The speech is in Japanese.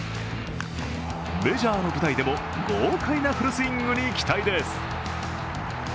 メジャーの舞台でも豪快なフルスイングに期待です。